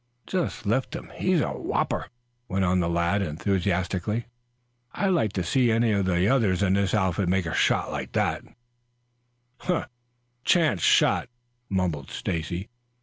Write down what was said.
"Just lift him. He's a whopper," went on the lad enthusiastically. "I'd like to see any of the others in this outfit make a shot like that " "Chance shot," mumbled Stacy.